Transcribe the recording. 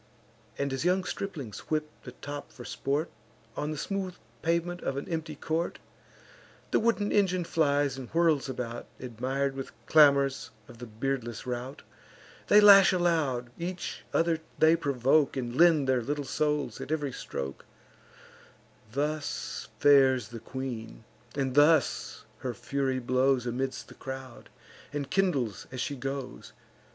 And, as young striplings whip the top for sport, On the smooth pavement of an empty court; The wooden engine flies and whirls about, Admir'd, with clamours, of the beardless rout; They lash aloud; each other they provoke, And lend their little souls at ev'ry stroke: Thus fares the queen; and thus her fury blows Amidst the crowd, and kindles as she goes.